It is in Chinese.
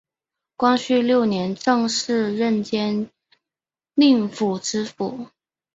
光绪六年正式任江宁府知府。